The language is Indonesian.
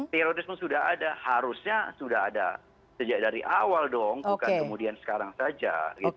terorisme sudah ada harusnya sudah ada sejak dari awal dong bukan kemudian sekarang saja